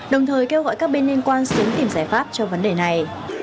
đồng thời kêu gọi các bên liên quan sớm tìm giải pháp cho vấn đề này